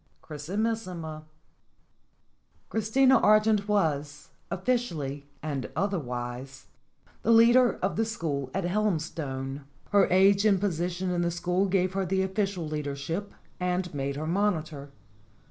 X CHRISIMISSIMA CHRISTINA ARGENT was, officially and other wise, the leader of the school at Helmstone. Her age and position in the school gave her the official leadership and made her monitor.